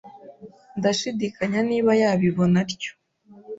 Ndashidikanya niba yabibona atyo.